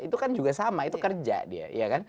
itu kan juga sama itu kerja dia kan